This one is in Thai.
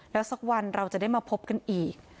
แล้วสักวันเราจะได้มาพบกันอีก